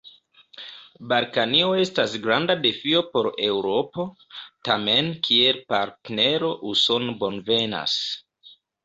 Balkanio estas granda defio por Eŭropo: tamen kiel partnero Usono bonvenas.